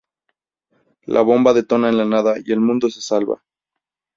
La bomba detona en la nada y el mundo se salva.